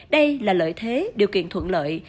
đây là lợi thế điều kiện thuận lợi